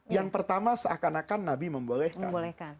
yang pertama seakan akan nabi membolehkan